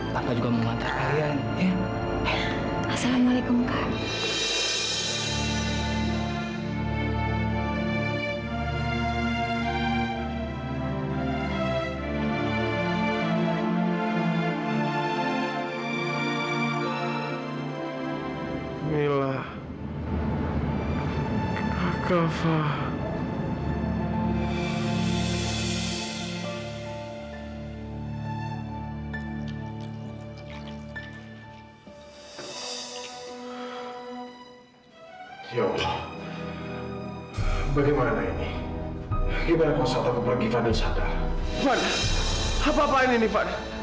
fad apa apaan ini fad